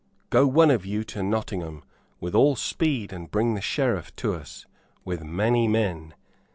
Go, one of you, to Nottingham, with all speed, and bring the Sheriff to us, with many men.